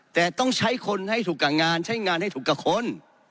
แต่ต้องใช้คนให้ถูกกับงานใช้งานให้ถูกกับคน